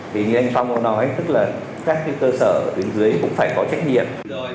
thì như anh phong nói tức là các cơ sở tuyến dưới cũng phải có trách nhiệm